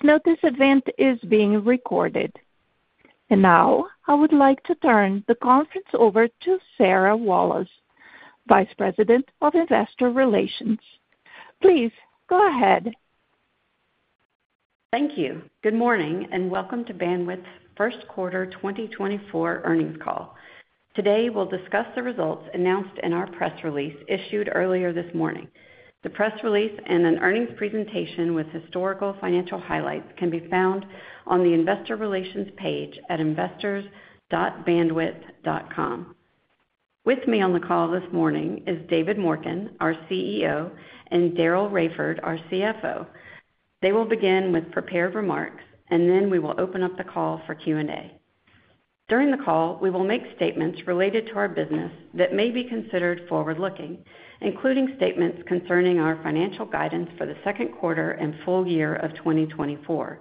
Please note this event is being recorded. Now I would like to turn the conference over to Sarah Walas, Vice President of Investor Relations. Please go ahead. Thank you. Good morning and welcome to Bandwidth's first quarter 2024 earnings call. Today we'll discuss the results announced in our press release issued earlier this morning. The press release and an earnings presentation with historical financial highlights can be found on the Investor Relations page at investors.bandwidth.com. With me on the call this morning is David Morken, our CEO, and Daryl Raiford, our CFO. They will begin with prepared remarks, and then we will open up the call for Q&A. During the call, we will make statements related to our business that may be considered forward-looking, including statements concerning our financial guidance for the second quarter and full year of 2024.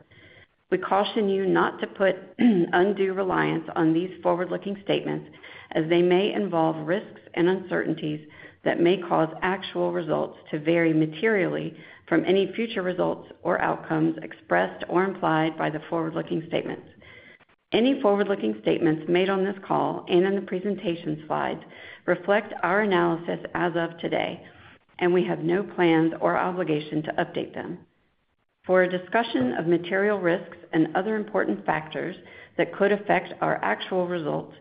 We caution you not to put undue reliance on these forward-looking statements, as they may involve risks and uncertainties that may cause actual results to vary materially from any future results or outcomes expressed or implied by the forward-looking statements. Any forward-looking statements made on this call and in the presentation slides reflect our analysis as of today, and we have no plans or obligation to update them. For a discussion of material risks and other important factors that could affect our actual results,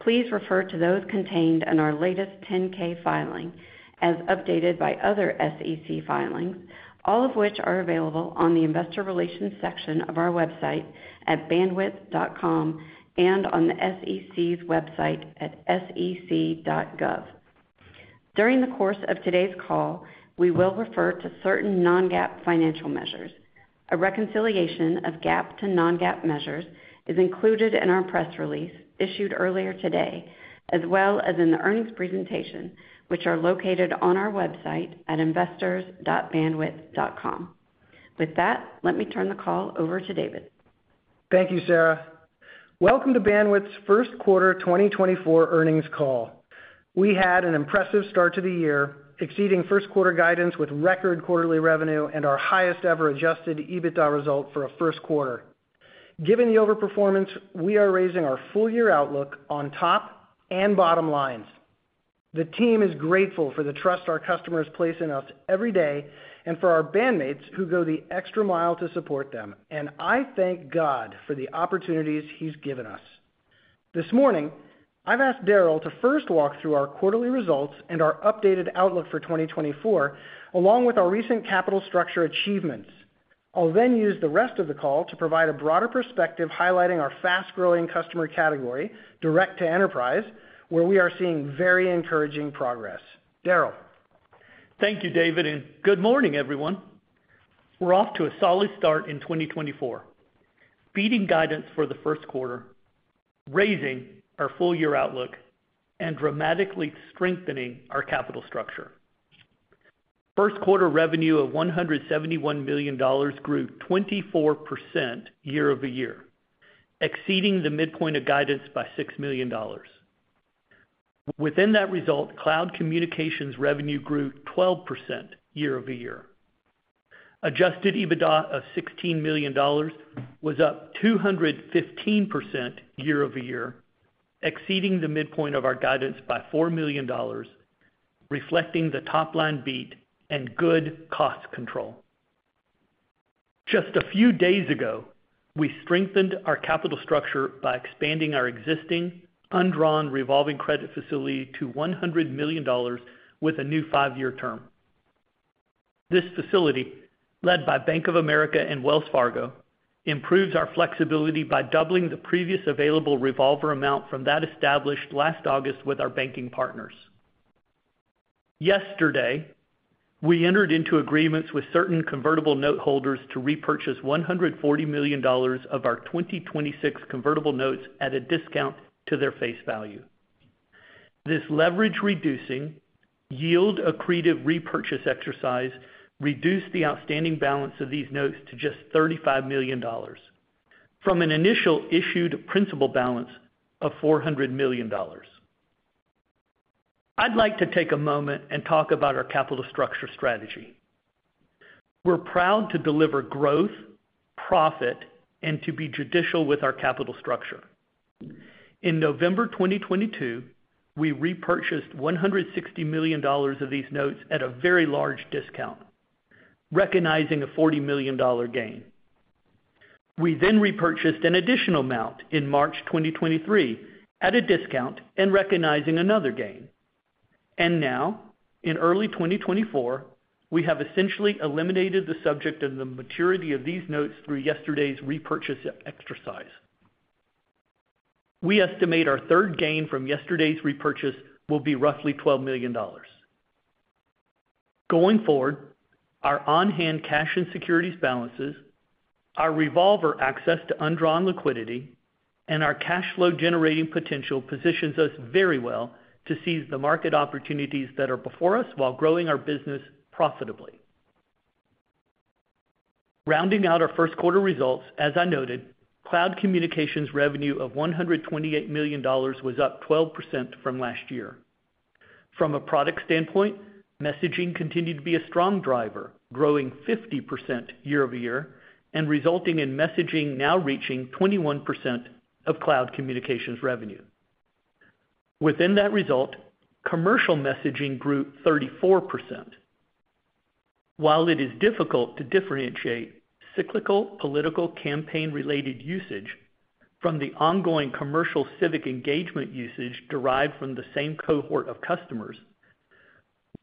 please refer to those contained in our latest 10-K filing as updated by other SEC filings, all of which are available on the Investor Relations section of our website at bandwidth.com and on the SEC's website at sec.gov. During the course of today's call, we will refer to certain non-GAAP financial measures. A reconciliation of GAAP to non-GAAP measures is included in our press release issued earlier today, as well as in the earnings presentation, which are located on our website at investors.bandwidth.com. With that, let me turn the call over to David. Thank you, Sarah. Welcome to Bandwidth's first quarter 2024 earnings call. We had an impressive start to the year, exceeding first quarter guidance with record quarterly revenue and our highest ever Adjusted EBITDA result for a first quarter. Given the overperformance, we are raising our full-year outlook on top and bottom lines. The team is grateful for the trust our customers place in us every day and for our bandmates who go the extra mile to support them, and I thank God for the opportunities He's given us. This morning, I've asked Daryl to first walk through our quarterly results and our updated outlook for 2024, along with our recent capital structure achievements. I'll then use the rest of the call to provide a broader perspective highlighting our fast-growing customer category, direct-to-enterprise, where we are seeing very encouraging progress. Daryl? Thank you, David, and good morning, everyone. We're off to a solid start in 2024, beating guidance for the first quarter, raising our full-year outlook, and dramatically strengthening our capital structure. First quarter revenue of $171 million grew 24% year-over-year, exceeding the midpoint of guidance by $6 million. Within that result, cloud communications revenue grew 12% year-over-year. Adjusted EBITDA of $16 million was up 215% year-over-year, exceeding the midpoint of our guidance by $4 million, reflecting the top-line beat and good cost control. Just a few days ago, we strengthened our capital structure by expanding our existing undrawn revolving credit facility to $100 million with a new five-year term. This facility, led by Bank of America and Wells Fargo, improves our flexibility by doubling the previous available revolver amount from that established last August with our banking partners. Yesterday, we entered into agreements with certain convertible note holders to repurchase $140 million of our 2026 convertible notes at a discount to their face value. This leverage-reducing, yield-accretive repurchase exercise reduced the outstanding balance of these notes to just $35 million, from an initial issued principal balance of $400 million. I'd like to take a moment and talk about our capital structure strategy. We're proud to deliver growth, profit, and to be judicious with our capital structure. In November 2022, we repurchased $160 million of these notes at a very large discount, recognizing a $40 million gain. We then repurchased an additional amount in March 2023 at a discount and recognizing another gain. And now, in early 2024, we have essentially eliminated the subject of the maturity of these notes through yesterday's repurchase exercise. We estimate our third gain from yesterday's repurchase will be roughly $12 million. Going forward, our on-hand cash and securities balances, our revolver access to undrawn liquidity, and our cash flow-generating potential positions us very well to seize the market opportunities that are before us while growing our business profitably. Rounding out our first quarter results, as I noted, cloud communications revenue of $128 million was up 12% from last year. From a product standpoint, messaging continued to be a strong driver, growing 50% year-over-year and resulting in messaging now reaching 21% of cloud communications revenue. Within that result, commercial messaging grew 34%. While it is difficult to differentiate cyclical political campaign-related usage from the ongoing commercial civic engagement usage derived from the same cohort of customers,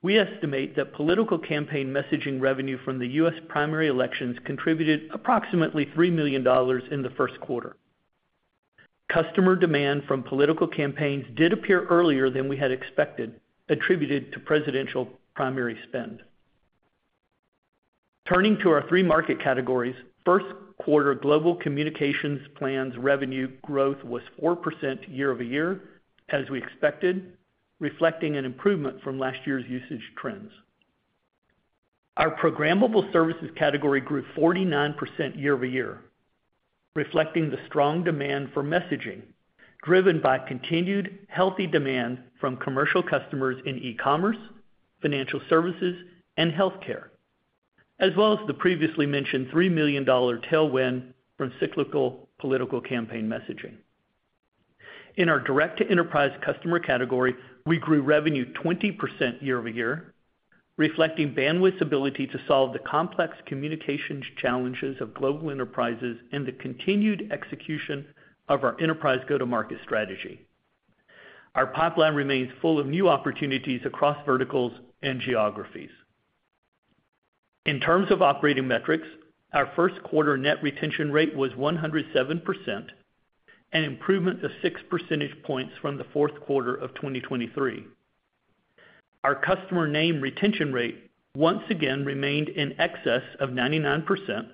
we estimate that political campaign messaging revenue from the U.S. primary elections contributed approximately $3 million in the first quarter. Customer demand from political campaigns did appear earlier than we had expected, attributed to presidential primary spend. Turning to our three market categories, first quarter global communications plans revenue growth was 4% year-over-year, as we expected, reflecting an improvement from last year's usage trends. Our programmable services category grew 49% year-over-year, reflecting the strong demand for messaging driven by continued healthy demand from commercial customers in e-commerce, financial services, and healthcare, as well as the previously mentioned $3 million tailwind from cyclical political campaign messaging. In our direct-to-enterprise customer category, we grew revenue 20% year-over-year, reflecting Bandwidth's ability to solve the complex communications challenges of global enterprises and the continued execution of our enterprise go-to-market strategy. Our pipeline remains full of new opportunities across verticals and geographies. In terms of operating metrics, our first quarter net retention rate was 107%, an improvement of six percentage points from the fourth quarter of 2023. Our customer name retention rate once again remained in excess of 99%,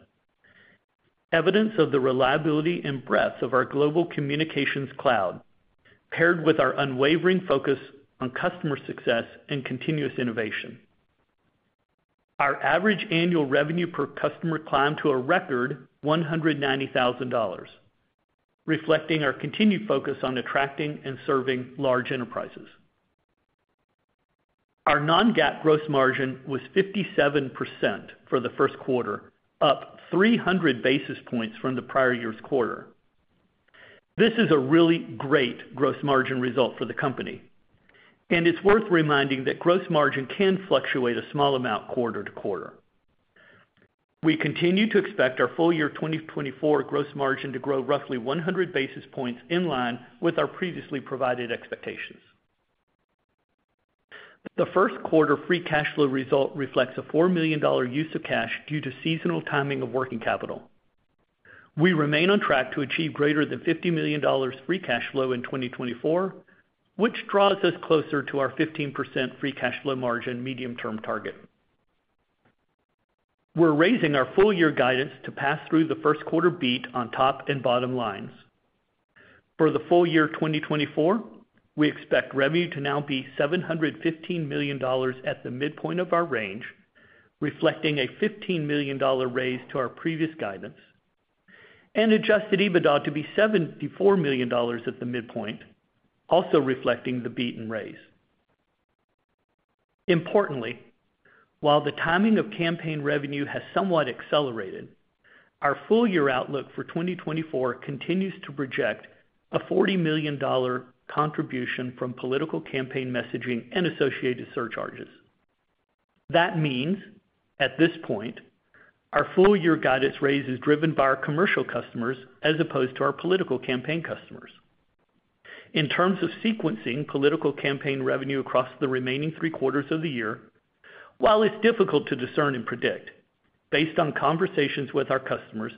evidence of the reliability and breadth of our global communications cloud paired with our unwavering focus on customer success and continuous innovation. Our average annual revenue per customer climbed to a record $190,000, reflecting our continued focus on attracting and serving large enterprises. Our non-GAAP gross margin was 57% for the first quarter, up 300 basis points from the prior year's quarter. This is a really great gross margin result for the company, and it's worth reminding that gross margin can fluctuate a small amount quarter to quarter. We continue to expect our full-year 2024 gross margin to grow roughly 100 basis points in line with our previously provided expectations. The first quarter Free Cash Flow result reflects a $4 million use of cash due to seasonal timing of working capital. We remain on track to achieve greater than $50 million Free Cash Flow in 2024, which draws us closer to our 15% Free Cash Flow margin medium-term target. We're raising our full-year guidance to pass through the first quarter beat on top and bottom lines. For the full year 2024, we expect revenue to now be $715 million at the midpoint of our range, reflecting a $15 million raise to our previous guidance, and Adjusted EBITDA to be $74 million at the midpoint, also reflecting the beat and raise. Importantly, while the timing of campaign revenue has somewhat accelerated, our full-year outlook for 2024 continues to project a $40 million contribution from political campaign messaging and associated surcharges. That means, at this point, our full-year guidance raise is driven by our commercial customers as opposed to our political campaign customers. In terms of sequencing political campaign revenue across the remaining three quarters of the year, while it's difficult to discern and predict, based on conversations with our customers,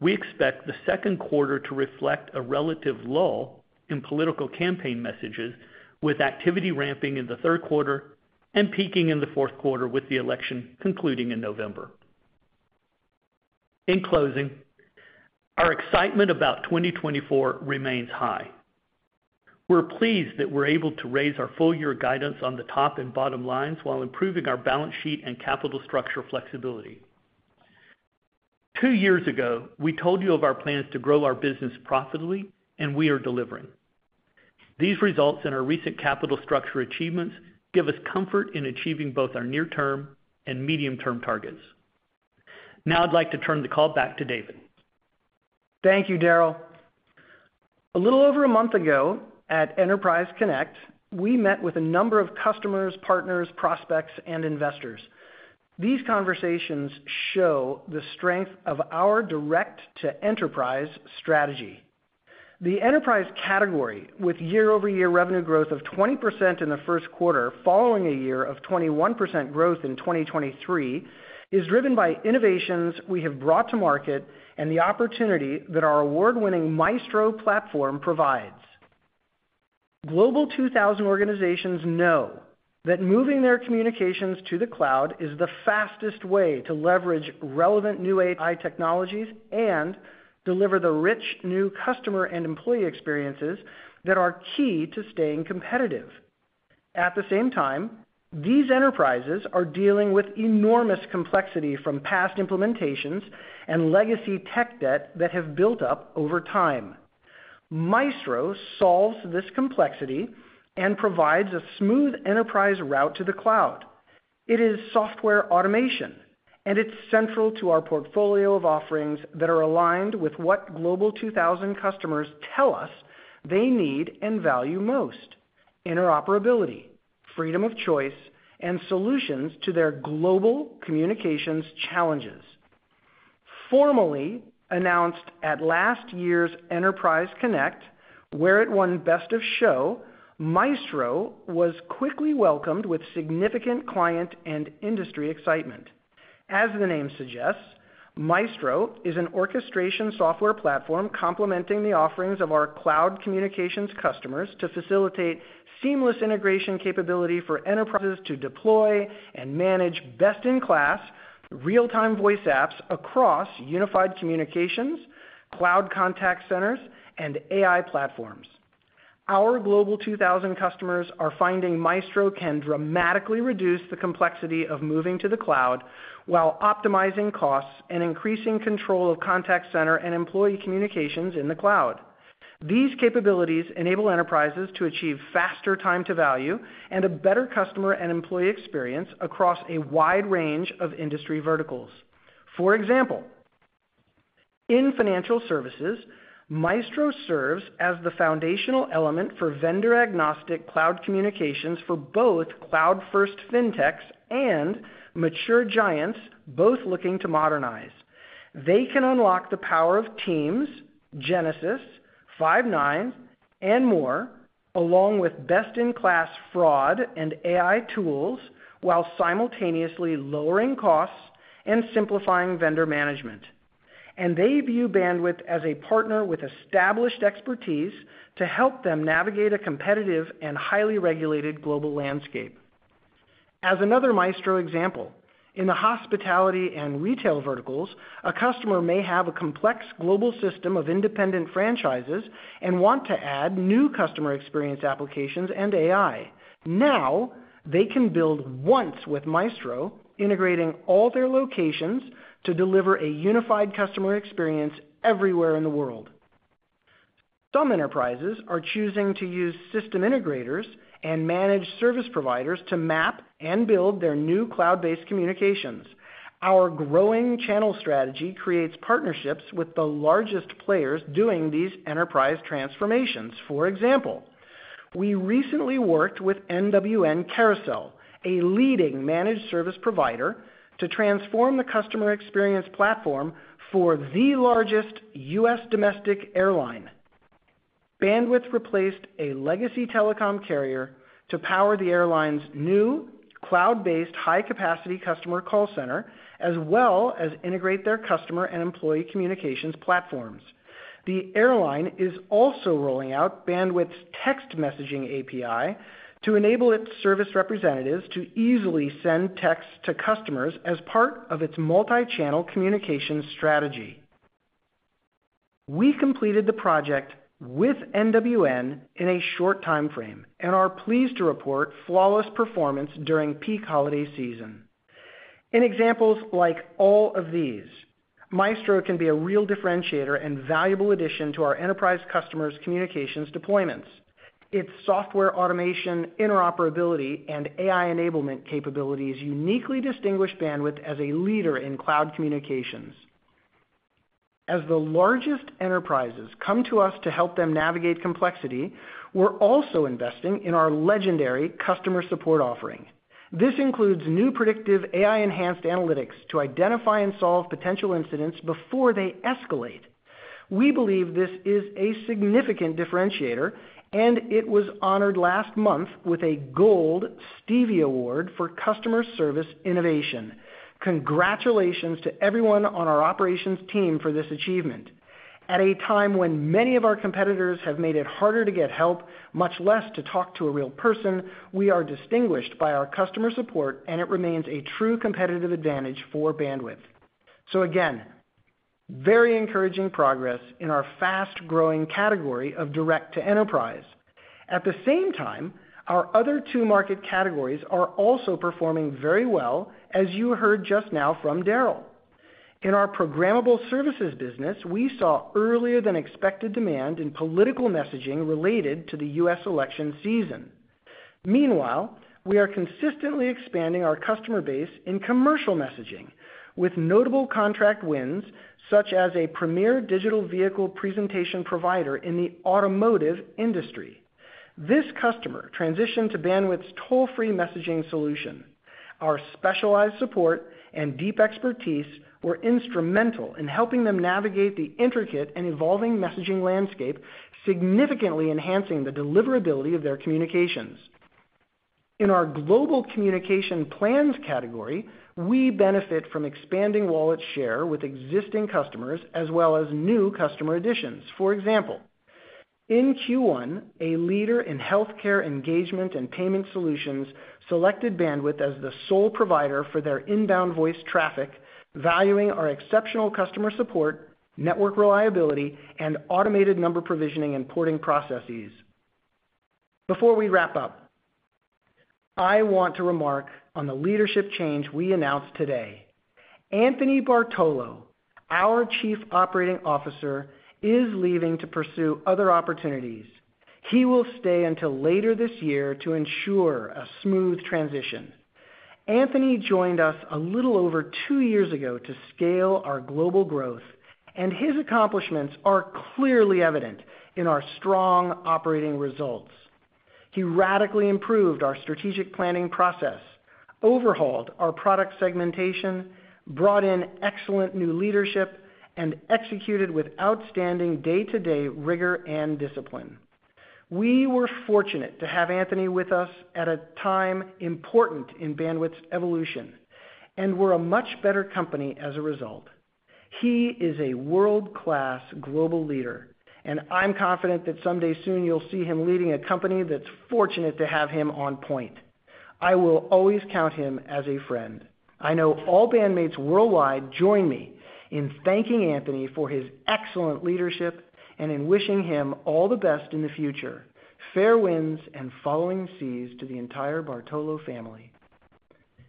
we expect the second quarter to reflect a relative lull in political campaign messages, with activity ramping in the third quarter and peaking in the fourth quarter with the election concluding in November. In closing, our excitement about 2024 remains high. We're pleased that we're able to raise our full-year guidance on the top and bottom lines while improving our balance sheet and capital structure flexibility. Two years ago, we told you of our plans to grow our business profitably, and we are delivering. These results and our recent capital structure achievements give us comfort in achieving both our near-term and medium-term targets. Now I'd like to turn the call back to David. Thank you, Daryl. A little over a month ago at Enterprise Connect, we met with a number of customers, partners, prospects, and investors. These conversations show the strength of our direct-to-enterprise strategy. The enterprise category, with year-over-year revenue growth of 20% in the first quarter following a year of 21% growth in 2023, is driven by innovations we have brought to market and the opportunity that our award-winning Maestro platform provides. Global 2000 organizations know that moving their communications to the cloud is the fastest way to leverage relevant new AI technologies and deliver the rich new customer and employee experiences that are key to staying competitive. At the same time, these enterprises are dealing with enormous complexity from past implementations and legacy tech debt that have built up over time. Maestro solves this complexity and provides a smooth enterprise route to the cloud. It is software automation, and it's central to our portfolio of offerings that are aligned with what Global 2000 customers tell us they need and value most: interoperability, freedom of choice, and solutions to their global communications challenges. Formally announced at last year's Enterprise Connect, where it won Best of Show, Maestro was quickly welcomed with significant client and industry excitement. As the name suggests, Maestro is an orchestration software platform complementing the offerings of our cloud communications customers to facilitate seamless integration capability for enterprises to deploy and manage best-in-class real-time voice apps across unified communications, cloud contact centers, and AI platforms. Our Global 2000 customers are finding Maestro can dramatically reduce the complexity of moving to the cloud while optimizing costs and increasing control of contact center and employee communications in the cloud. These capabilities enable enterprises to achieve faster time-to-value and a better customer and employee experience across a wide range of industry verticals. For example, in financial services, Maestro serves as the foundational element for vendor-agnostic cloud communications for both cloud-first fintechs and mature giants both looking to modernize. They can unlock the power of Teams, Genesys, Five9, and more, along with best-in-class fraud and AI tools while simultaneously lowering costs and simplifying vendor management. They view Bandwidth as a partner with established expertise to help them navigate a competitive and highly regulated global landscape. As another Maestro example, in the hospitality and retail verticals, a customer may have a complex global system of independent franchises and want to add new customer experience applications and AI. Now they can build once with Maestro, integrating all their locations to deliver a unified customer experience everywhere in the world. Some enterprises are choosing to use system integrators and managed service providers to map and build their new cloud-based communications. Our growing channel strategy creates partnerships with the largest players doing these enterprise transformations. For example, we recently worked with NWN Carousel, a leading managed service provider, to transform the customer experience platform for the largest U.S. domestic airline. Bandwidth replaced a legacy telecom carrier to power the airline's new cloud-based high-capacity customer call center, as well as integrate their customer and employee communications platforms. The airline is also rolling out Bandwidth's text messaging API to enable its service representatives to easily send texts to customers as part of its multi-channel communication strategy. We completed the project with NWN in a short time frame and are pleased to report flawless performance during peak holiday season. In examples like all of these, Maestro can be a real differentiator and valuable addition to our enterprise customers' communications deployments. Its software automation, interoperability, and AI enablement capabilities uniquely distinguish Bandwidth as a leader in cloud communications. As the largest enterprises come to us to help them navigate complexity, we're also investing in our legendary customer support offering. This includes new predictive AI-enhanced analytics to identify and solve potential incidents before they escalate. We believe this is a significant differentiator, and it was honored last month with a Gold Stevie Award for customer service innovation. Congratulations to everyone on our operations team for this achievement. At a time when many of our competitors have made it harder to get help, much less to talk to a real person, we are distinguished by our customer support, and it remains a true competitive advantage for Bandwidth. So again, very encouraging progress in our fast-growing category of direct-to-enterprise. At the same time, our other two market categories are also performing very well, as you heard just now from Daryl. In our programmable services business, we saw earlier-than-expected demand in political messaging related to the U.S. election season. Meanwhile, we are consistently expanding our customer base in commercial messaging, with notable contract wins such as a premier digital vehicle presentation provider in the automotive industry. This customer transitioned to Bandwidth's toll-free messaging solution. Our specialized support and deep expertise were instrumental in helping them navigate the intricate and evolving messaging landscape, significantly enhancing the deliverability of their communications. In our global communication plans category, we benefit from expanding wallet share with existing customers as well as new customer additions. For example, in Q1, a leader in healthcare engagement and payment solutions selected Bandwidth as the sole provider for their inbound voice traffic, valuing our exceptional customer support, network reliability, and automated number provisioning and porting processes. Before we wrap up, I want to remark on the leadership change we announced today. Anthony Bartolo, our Chief Operating Officer, is leaving to pursue other opportunities. He will stay until later this year to ensure a smooth transition. Anthony joined us a little over two years ago to scale our global growth, and his accomplishments are clearly evident in our strong operating results. He radically improved our strategic planning process, overhauled our product segmentation, brought in excellent new leadership, and executed with outstanding day-to-day rigor and discipline. We were fortunate to have Anthony with us at a time important in Bandwidth's evolution, and we're a much better company as a result. He is a world-class global leader, and I'm confident that someday soon you'll see him leading a company that's fortunate to have him on point. I will always count him as a friend. I know all bandmates worldwide join me in thanking Anthony for his excellent leadership and in wishing him all the best in the future. Fair winds and following seas to the entire Bartolo family.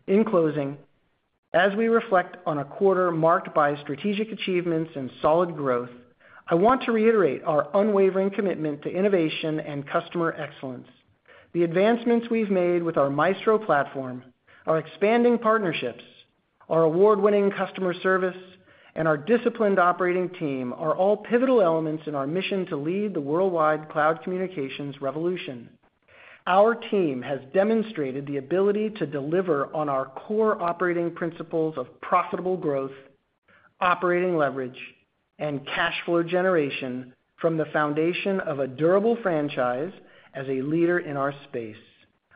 In closing, as we reflect on a quarter marked by strategic achievements and solid growth, I want to reiterate our unwavering commitment to innovation and customer excellence. The advancements we've made with our Maestro platform, our expanding partnerships, our award-winning customer service, and our disciplined operating team are all pivotal elements in our mission to lead the worldwide cloud communications revolution. Our team has demonstrated the ability to deliver on our core operating principles of profitable growth, operating leverage, and cash flow generation from the foundation of a durable franchise as a leader in our space.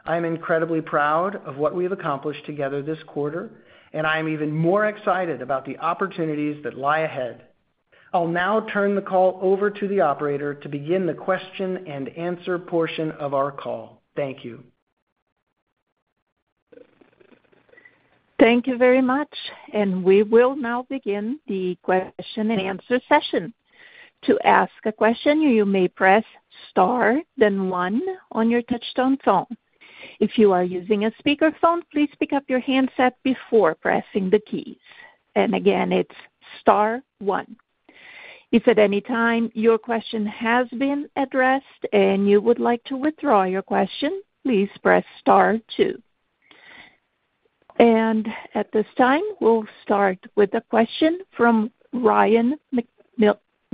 I am incredibly proud of what we have accomplished together this quarter, and I am even more excited about the opportunities that lie ahead. I'll now turn the call over to the operator to begin the question and answer portion of our call. Thank you. Thank you very much. We will now begin the question and answer session. To ask a question, you may press star, then one on your touch-tone phone. If you are using a speakerphone, please pick up your handset before pressing the keys. Again, it's star one. If at any time your question has been addressed and you would like to withdraw your question, please press star two. At this time, we'll start with a question from Ryan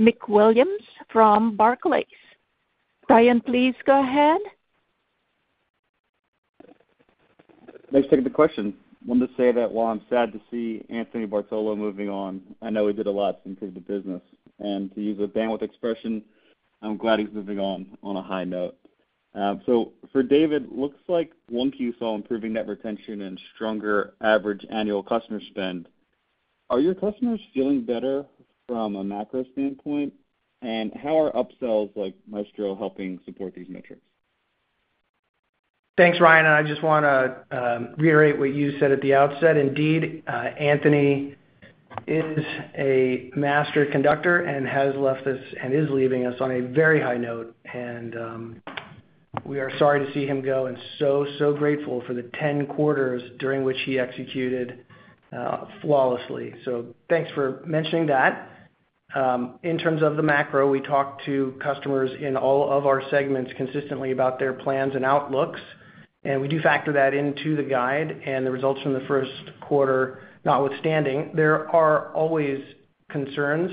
McWilliams from Barclays. Ryan, please go ahead. Thanks for taking the question. Wanted to say that while I'm sad to see Anthony Bartolo moving on, I know he did a lot to improve the business. To use a Bandwidth expression, I'm glad he's moving on on a high note. So for David, looks like Q1 saw improving net retention and stronger average annual customer spend. Are your customers feeling better from a macro standpoint, and how are upsells like Maestro helping support these metrics? Thanks, Ryan. I just want to reiterate what you said at the outset. Indeed, Anthony is a master conductor and has left us and is leaving us on a very high note. We are sorry to see him go and so, so grateful for the 10 quarters during which he executed flawlessly. Thanks for mentioning that. In terms of the macro, we talk to customers in all of our segments consistently about their plans and outlooks, and we do factor that into the guide and the results from the first quarter notwithstanding. There are always concerns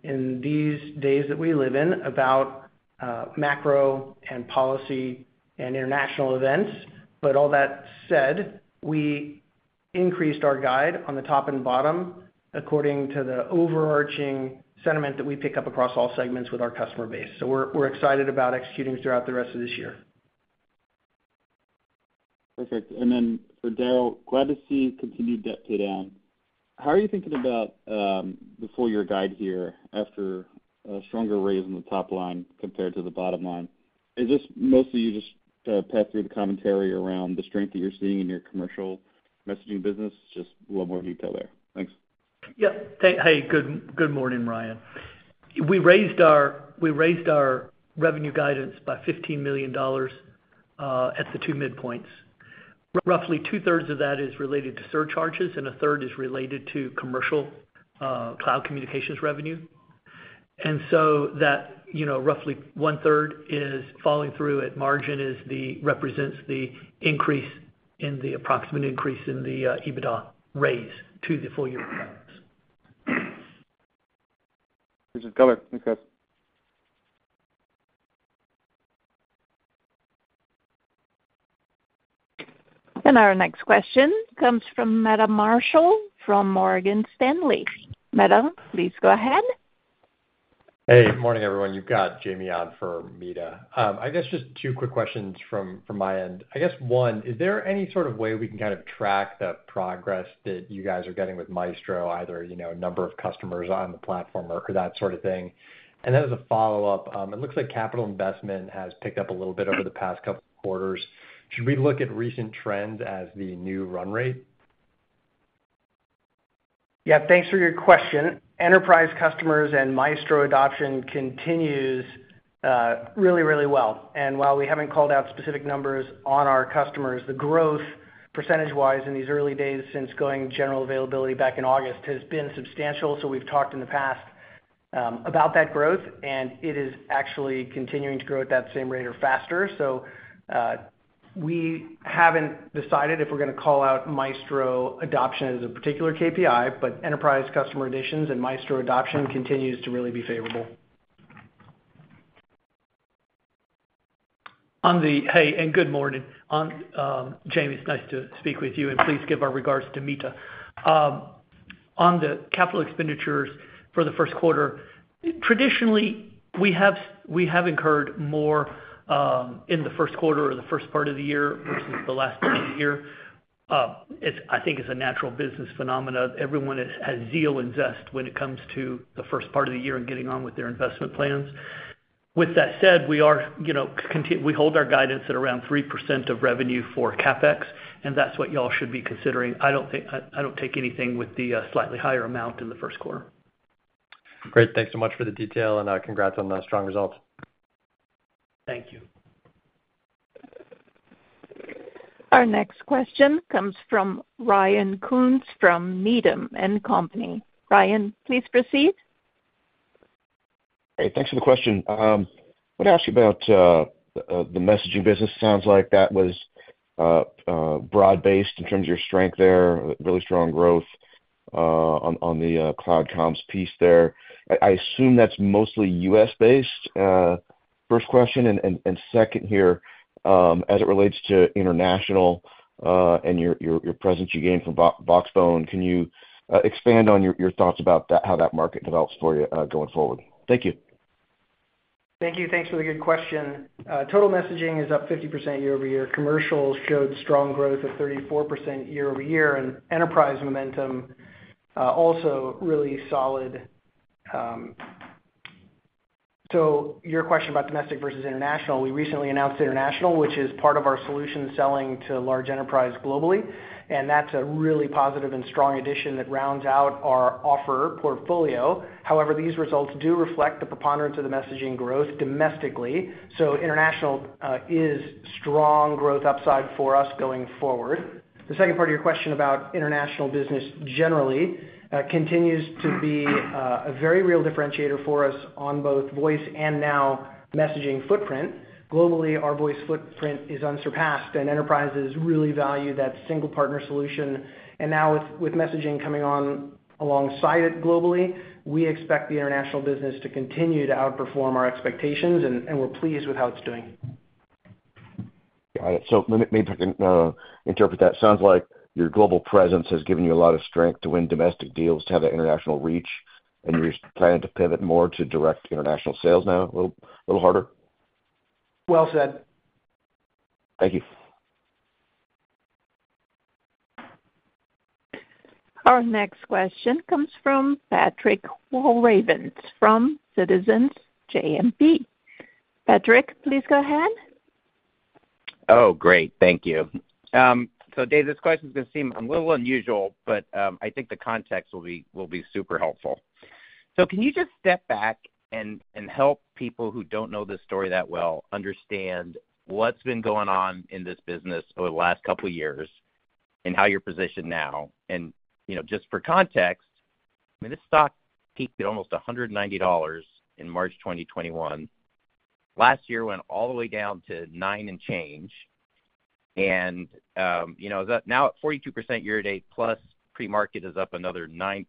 in these days that we live in about macro and policy and international events. All that said, we increased our guide on the top and bottom according to the overarching sentiment that we pick up across all segments with our customer base. We're excited about executing throughout the rest of this year. Perfect. And then for Daryl, glad to see continued debt paydown. How are you thinking about before your guide here after a stronger raise on the top line compared to the bottom line? Is this mostly you just kind of pass through the commentary around the strength that you're seeing in your commercial messaging business? Just a little more detail there. Thanks. Yep. Hey, good morning, Ryan. We raised our revenue guidance by $15 million at the two midpoints. Roughly two-thirds of that is related to surcharges, and a third is related to commercial cloud communications revenue. And so that roughly one-third is falling through at margin represents the increase in the approximate increase in the EBITDA raise to the full year price. This is Cover. Thanks, guys. Our next question comes from Meta Marshall from Morgan Stanley. Meta, please go ahead. Hey, good morning, everyone. You've got Jamie on for Meta. I guess just two quick questions from my end. I guess one, is there any sort of way we can kind of track the progress that you guys are getting with Maestro, either number of customers on the platform or that sort of thing? And then as a follow-up, it looks like capital investment has picked up a little bit over the past couple of quarters. Should we look at recent trends as the new run rate? Yeah. Thanks for your question. Enterprise customers and Maestro adoption continues really, really well. And while we haven't called out specific numbers on our customers, the growth percentage-wise in these early days since going general availability back in August has been substantial. So we've talked in the past about that growth, and it is actually continuing to grow at that same rate or faster. So we haven't decided if we're going to call out Maestro adoption as a particular KPI, but enterprise customer additions and Maestro adoption continues to really be favorable. Hey, and good morning. Jamie, it's nice to speak with you, and please give our regards to Meta. On the capital expenditures for the first quarter, traditionally, we have incurred more in the first quarter or the first part of the year versus the last part of the year. I think it's a natural business phenomenon. Everyone has zeal and zest when it comes to the first part of the year and getting on with their investment plans. With that said, we hold our guidance at around 3% of revenue for CapEx, and that's what y'all should be considering. I don't take anything with the slightly higher amount in the first quarter. Great. Thanks so much for the detail, and congrats on the strong results. Thank you. Our next question comes from Ryan Koontz from Needham & Company. Ryan, please proceed. Hey, thanks for the question. I want to ask you about the messaging business. Sounds like that was broad-based in terms of your strength there, really strong growth on the cloud comms piece there. I assume that's mostly U.S.-based. First question. And second here, as it relates to international and your presence you gained from Voxbone, can you expand on your thoughts about how that market develops for you going forward? Thank you. Thank you. Thanks for the good question. Total messaging is up 50% year-over-year. Commercials showed strong growth of 34% year-over-year, and enterprise momentum also really solid. So your question about domestic versus international, we recently announced international, which is part of our solution selling to large enterprise globally. And that's a really positive and strong addition that rounds out our offer portfolio. However, these results do reflect the preponderance of the messaging growth domestically. So international is strong growth upside for us going forward. The second part of your question about international business generally continues to be a very real differentiator for us on both voice and now messaging footprint. Globally, our voice footprint is unsurpassed, and enterprises really value that single partner solution. Now with messaging coming on alongside it globally, we expect the international business to continue to outperform our expectations, and we're pleased with how it's doing. Got it. So let me interpret that. Sounds like your global presence has given you a lot of strength to win domestic deals, to have that international reach, and you're planning to pivot more to direct international sales now a little harder. Well said. Thank you. Our next question comes from Patrick Walravens from Citizens JMP. Patrick, please go ahead. Oh, great. Thank you. So David, this question is going to seem a little unusual, but I think the context will be super helpful. So can you just step back and help people who don't know this story that well understand what's been going on in this business over the last couple of years and how you're positioned now? And just for context, I mean, this stock peaked at almost $190 in March 2021. Last year went all the way down to 9 and change. And now at 42% year to date, plus pre-market is up another 9%.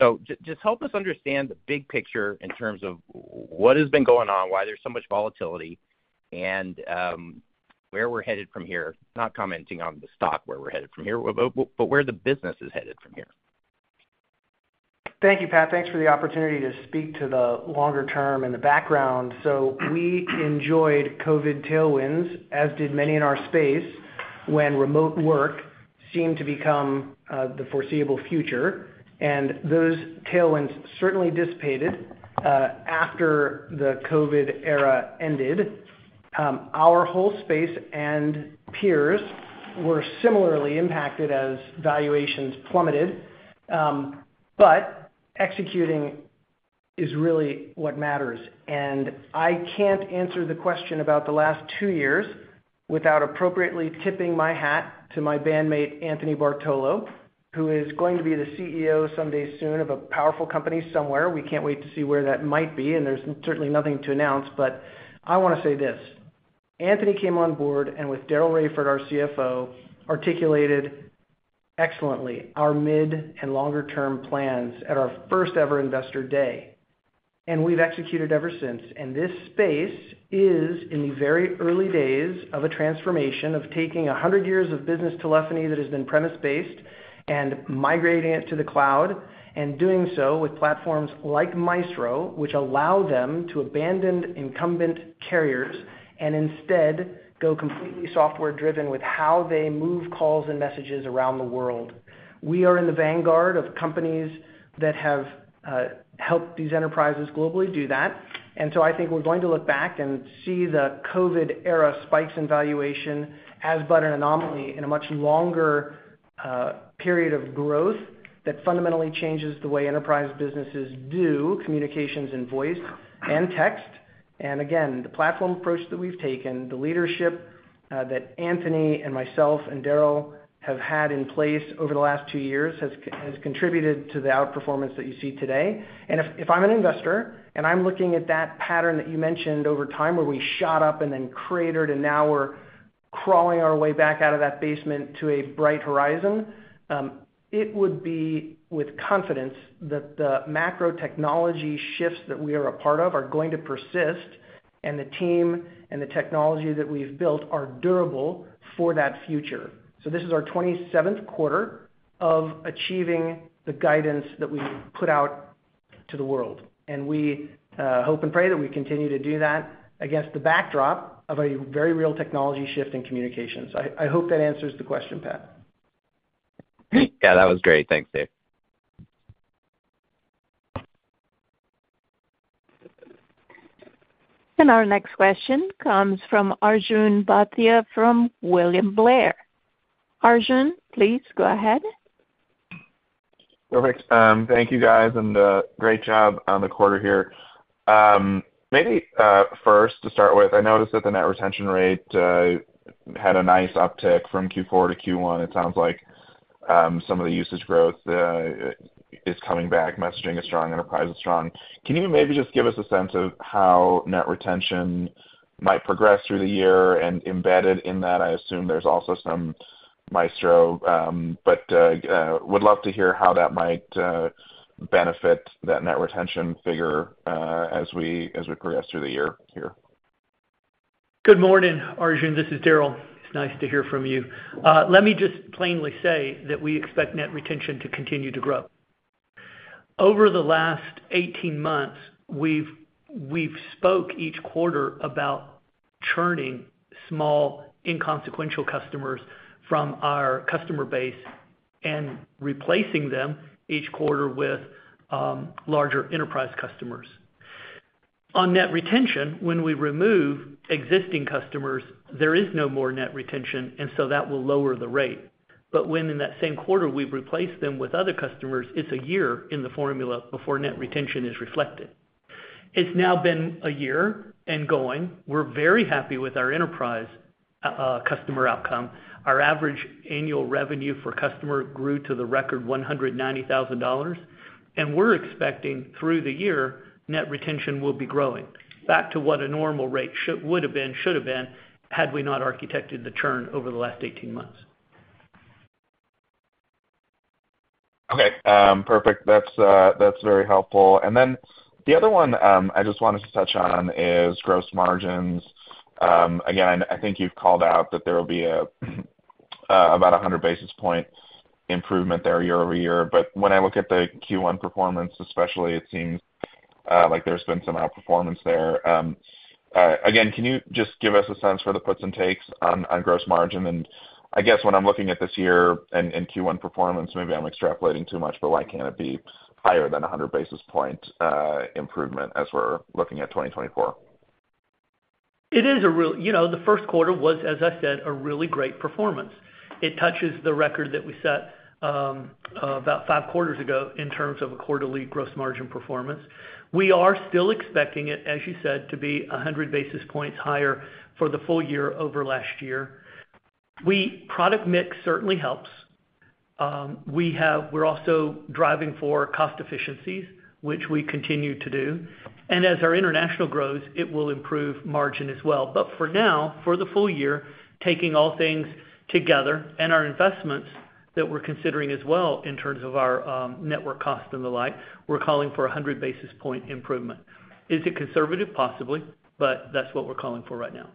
So just help us understand the big picture in terms of what has been going on, why there's so much volatility, and where we're headed from here. Not commenting on the stock, where we're headed from here, but where the business is headed from here. Thank you, Pat. Thanks for the opportunity to speak to the longer term and the background. So we enjoyed COVID tailwinds, as did many in our space, when remote work seemed to become the foreseeable future. Those tailwinds certainly dissipated after the COVID era ended. Our whole space and peers were similarly impacted as valuations plummeted. Executing is really what matters. I can't answer the question about the last two years without appropriately tipping my hat to my bandmate, Anthony Bartolo, who is going to be the CEO someday soon of a powerful company somewhere. We can't wait to see where that might be. There's certainly nothing to announce. I want to say this. Anthony came on board and with Daryl Raiford, our CFO, articulated excellently our mid and longer-term plans at our first-ever investor day. We've executed ever since. This space is in the very early days of a transformation of taking 100 years of business telephony that has been premises-based and migrating it to the cloud and doing so with platforms like Maestro, which allow them to abandon incumbent carriers and instead go completely software-driven with how they move calls and messages around the world. We are in the vanguard of companies that have helped these enterprises globally do that. So I think we're going to look back and see the COVID-era spikes in valuation as but an anomaly in a much longer period of growth that fundamentally changes the way enterprise businesses do communications and voice and text. Again, the platform approach that we've taken, the leadership that Anthony and myself and Daryl have had in place over the last two years has contributed to the outperformance that you see today. And if I'm an investor and I'm looking at that pattern that you mentioned over time where we shot up and then cratered and now we're crawling our way back out of that basement to a bright horizon, it would be with confidence that the macro technology shifts that we are a part of are going to persist and the team and the technology that we've built are durable for that future. So this is our 27th quarter of achieving the guidance that we put out to the world. And we hope and pray that we continue to do that against the backdrop of a very real technology shift in communications. I hope that answers the question, Pat. Yeah, that was great. Thanks, Dave. Our next question comes from Arjun Bhatia from William Blair. Arjun, please go ahead. Perfect. Thank you, guys, and great job on the quarter here. Maybe first to start with, I noticed that the net retention rate had a nice uptick from Q4 to Q1, it sounds like. Some of the usage growth is coming back. Messaging is strong. Enterprise is strong. Can you maybe just give us a sense of how net retention might progress through the year? And embedded in that, I assume there's also some Maestro, but would love to hear how that might benefit that net retention figure as we progress through the year here. Good morning, Arjun. This is Daryl. It's nice to hear from you. Let me just plainly say that we expect net retention to continue to grow. Over the last 18 months, we've spoken each quarter about churning small, inconsequential customers from our customer base and replacing them each quarter with larger enterprise customers. On net retention, when we remove existing customers, there is no more net retention, and so that will lower the rate. But when in that same quarter we've replaced them with other customers, it's a year in the formula before net retention is reflected. It's now been a year and going. We're very happy with our enterprise customer outcome. Our average annual revenue per customer grew to the record $190,000. We're expecting through the year, net retention will be growing back to what a normal rate would have been, should have been, had we not architected the churn over the last 18 months. Okay. Perfect. That's very helpful. And then the other one I just wanted to touch on is gross margins. Again, I think you've called out that there will be about 100 basis point improvement there year-over-year. But when I look at the Q1 performance, especially, it seems like there's been some outperformance there. Again, can you just give us a sense for the puts and takes on gross margin? And I guess when I'm looking at this year and Q1 performance, maybe I'm extrapolating too much, but why can't it be higher than 100 basis point improvement as we're looking at 2024? It is a really the first quarter was, as I said, a really great performance. It touches the record that we set about five quarters ago in terms of a quarterly gross margin performance. We are still expecting it, as you said, to be 100 basis points higher for the full year over last year. Product mix certainly helps. We're also driving for cost efficiencies, which we continue to do. And as our international grows, it will improve margin as well. But for now, for the full year, taking all things together and our investments that we're considering as well in terms of our network cost and the like, we're calling for 100 basis point improvement. Is it conservative? Possibly, but that's what we're calling for right now.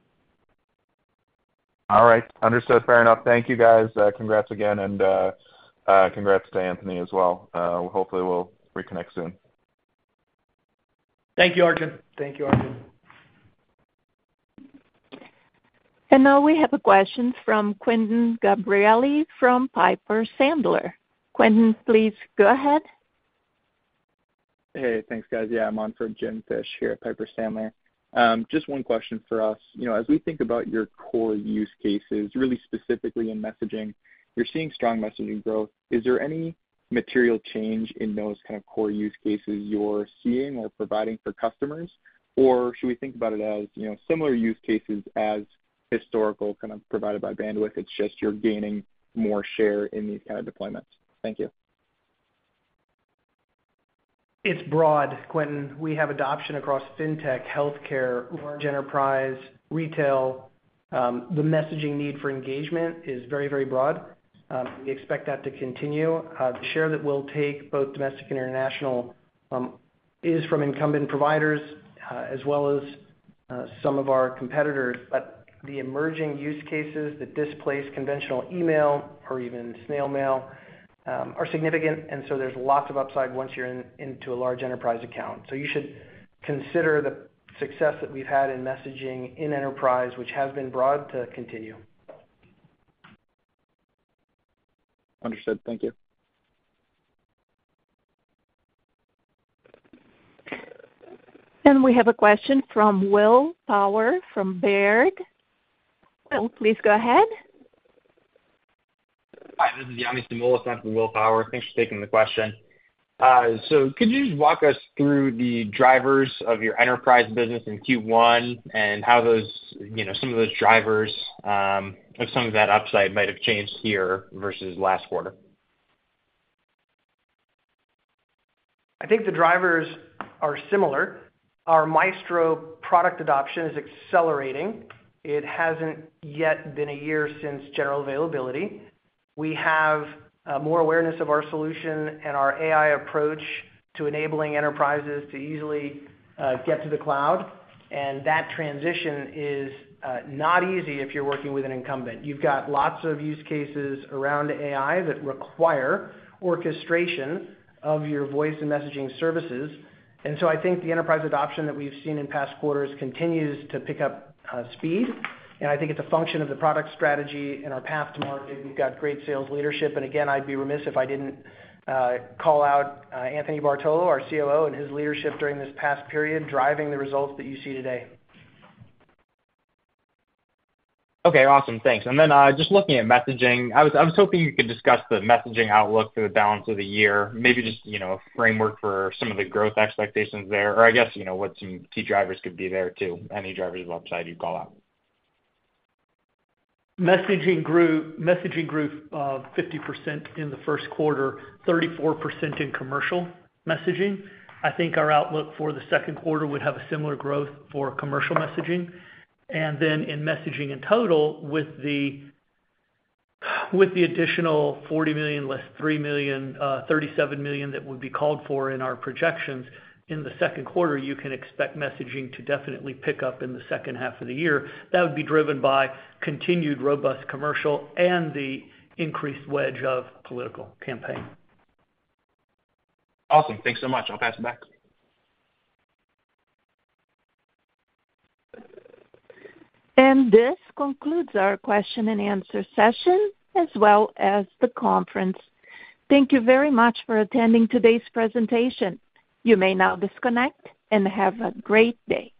All right. Understood. Fair enough. Thank you, guys. Congrats again, and congrats to Anthony as well. Hopefully, we'll reconnect soon. Thank you, Arjun. Thank you, Arjun. Now we have a question from Quentin Gabrielli from Piper Sandler. Quentin, please go ahead. Hey, thanks, guys. Yeah, I'm on for Jim Fish here at Piper Sandler. Just one question for us. As we think about your core use cases, really specifically in messaging, you're seeing strong messaging growth. Is there any material change in those kind of core use cases you're seeing or providing for customers? Or should we think about it as similar use cases as historical kind of provided by Bandwidth? It's just you're gaining more share in these kind of deployments. Thank you. It's broad, Quentin. We have adoption across fintech, healthcare, large enterprise, retail. The messaging need for engagement is very, very broad. We expect that to continue. The share that we'll take, both domestic and international, is from incumbent providers as well as some of our competitors. But the emerging use cases that displace conventional email or even snail mail are significant. And so there's lots of upside once you're into a large enterprise account. So you should consider the success that we've had in messaging in enterprise, which has been broad, to continue. Understood. Thank you. We have a question from Will Power from Baird. Will, please go ahead. Hi. This is Yanni Samoilis for Will Power. Thanks for taking the question. So could you just walk us through the drivers of your enterprise business in Q1 and how some of those drivers of some of that upside might have changed here versus last quarter? I think the drivers are similar. Our Maestro product adoption is accelerating. It hasn't yet been a year since general availability. We have more awareness of our solution and our AI approach to enabling enterprises to easily get to the cloud. And that transition is not easy if you're working with an incumbent. You've got lots of use cases around AI that require orchestration of your voice and messaging services. And so I think the enterprise adoption that we've seen in past quarters continues to pick up speed. And I think it's a function of the product strategy and our path to market. We've got great sales leadership. And again, I'd be remiss if I didn't call out Anthony Bartolo, our COO, and his leadership during this past period driving the results that you see today. Okay. Awesome. Thanks. And then just looking at messaging, I was hoping you could discuss the messaging outlook for the balance of the year, maybe just a framework for some of the growth expectations there, or I guess what some key drivers could be there too, any drivers of upside you call out? Messaging grew 50% in the first quarter, 34% in commercial messaging. I think our outlook for the second quarter would have a similar growth for commercial messaging. And then in messaging in total, with the additional $40 million less $3 million, $37 million that would be called for in our projections in the second quarter, you can expect messaging to definitely pick up in the second half of the year. That would be driven by continued robust commercial and the increased wedge of political campaign. Awesome. Thanks so much. I'll pass it back. This concludes our question and answer session as well as the conference. Thank you very much for attending today's presentation. You may now disconnect and have a great day.